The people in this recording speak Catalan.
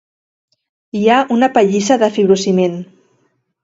Hi ha una pallissa de fibrociment.